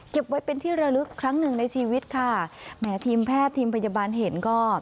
ไว้เป็นที่ระลึกครั้งหนึ่งในชีวิตค่ะแหมทีมแพทย์ทีมพยาบาลเห็นก็